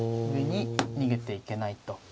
上に逃げていけないと。